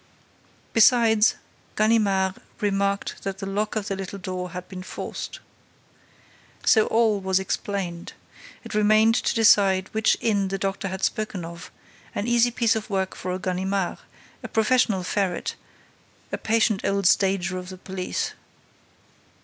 Besides, Ganimard remarked that the lock of the little door had been forced. So all was explained. It remained to decide which inn the doctor had spoken of: an easy piece of work for a Ganimard, a professional ferret, a patient old stager of the police.